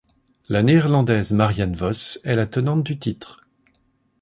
La Néerlandaise Marianne Vos est la tenante du titre.